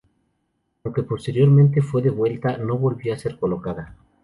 Aunque posteriormente fue devuelta, no volvió a ser colocada.